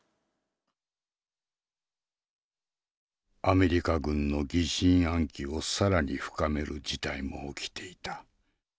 アメリカ軍の疑心暗鬼を更に深める事態も起きていた。